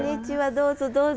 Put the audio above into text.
どうぞどうぞ。